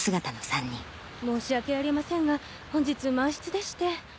申し訳ありませんが本日満室でして。